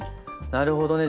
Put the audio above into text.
なるほどね。